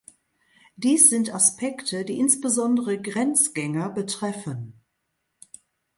Dies sind Aspekte, die insbesondere Grenzgänger betreffen.